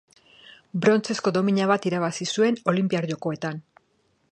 Brontzezko domina bat irabazi zuen Olinpiar Jokoetan.